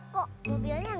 per per per